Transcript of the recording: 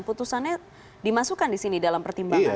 putusannya dimasukkan disini dalam pertimbangan